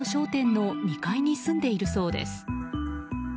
隣の元商店の２階に住んでいるそうです。